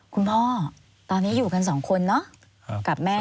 คุณพ่อตอนนี้อยู่กันสองคนเนาะกับแม่